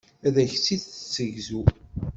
Ad ak-tt-id-tessegzu.